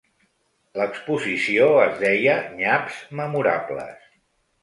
L'exposició es deia "Nyaps memorables".